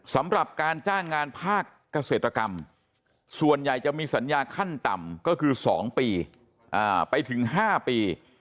สำหรับการจ้างงานภาคเกษตรกรรมส่วนใหญ่จะมีสัญญาขั้นต่ำก็คือ๒ปีไปถึง๕ปี